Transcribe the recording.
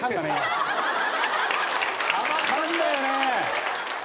かんだよね。